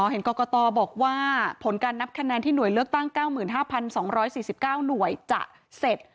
เห็นกรกตบอกว่าผลการนับคะแนนที่หน่วยเลือกตั้ง๙๕๒๔๙หน่วยจะเสร็จ